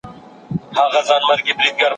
د کلي خلک مینه ناک دي.